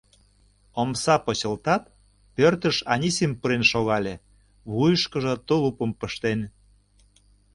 Омса почылтат, пӧртыш Анисим пурен шогале, вуйышкыжо тулупым пыштен.